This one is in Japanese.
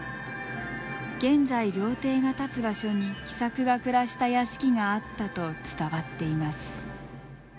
現在料亭が建つ場所に喜作が暮らした屋敷があったと伝わっています。